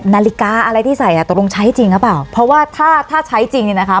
นาฬิกาอะไรที่ใส่อ่ะตกลงใช้จริงหรือเปล่าเพราะว่าถ้าถ้าใช้จริงเนี่ยนะคะ